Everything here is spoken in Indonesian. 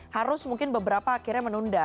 harus mungkin beberapa akhirnya menunda